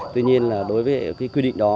tuy nhiên là đối với quy định đó